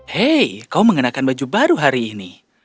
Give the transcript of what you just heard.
hei kau mengenakan baju baru hari ini